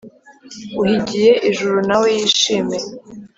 uhigiye ijuru nawe yishime